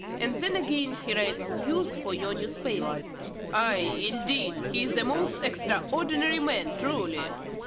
and then again he writes news for your newspapers." "Ay, indeed! he is a most extraordinary man, truly!